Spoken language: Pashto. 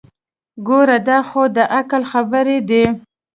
ګوره دا خو دعقل خبرې دي.